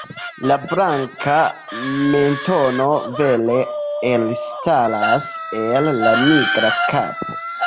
La blanka mentono vere elstaras el la nigra kapo.